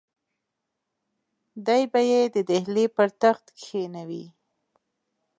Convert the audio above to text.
دی به یې د ډهلي پر تخت کښېنوي.